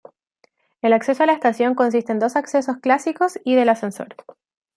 El acceso a la estación consiste en dos accesos clásicos y del ascensor.